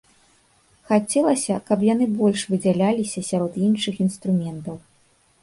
Хацелася, каб яны больш выдзяляліся сярод іншых інструментаў.